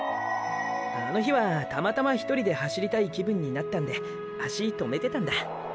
あの日はたまたま１人で走りたい気分になったんで足止めてたんだ。